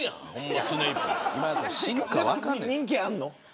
人気あんの。